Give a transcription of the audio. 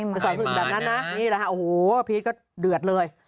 ไปสอนคุณแบบนั้นนะนี่แหละฮะโอ้โหพีชก็เดือดเลย